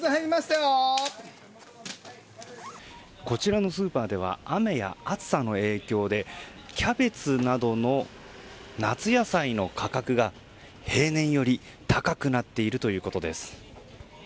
こちらのスーパーでは雨や暑さの影響でキャベツなどの夏野菜の価格が平年より高くなっているということです。